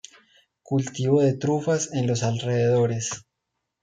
Cultivo de trufas en los alrededores.